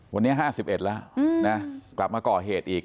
วันนี้๕๑แล้วนะกลับมาก่อเหตุอีก